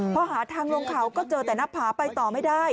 พอหาทางลงเขาก็เจอแต่หน้าผาไปต่อไม่ได้